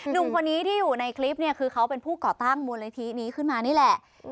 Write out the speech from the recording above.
หนุ่มคนนี้ที่อยู่ในคลิปเนี่ยคือเขาเป็นผู้ก่อตั้งมูลนิธินี้ขึ้นมานี่แหละ